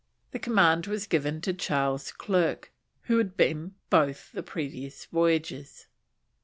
The command was given to Charles Clerke, who had been both the previous voyages.